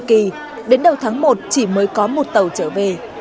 trên tuyến xa kỳ đến đầu tháng một chỉ mới có một tàu trở về